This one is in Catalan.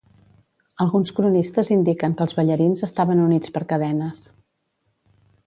Alguns cronistes indiquen que els ballarins estaven units per cadenes.